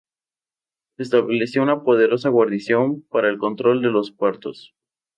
Se estableció una poderosa guarnición para el control de los partos.